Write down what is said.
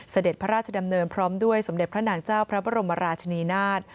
เสด็จพระราชดำเนินพร้อมด้วยสมเด็จพระนางเจ้าพระบรมราชนีนาฏ